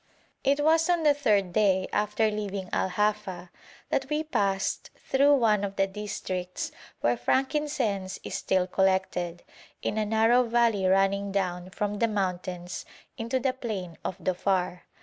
It was on the third day after leaving Al Hafa that we passed through one of the districts where frankincense is still collected, in a narrow valley running down from the mountains into the plain of Dhofar.